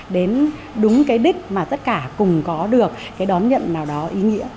đến đúng cái đích mà tất cả cùng có được cái đón nhận nào đó ý nghĩa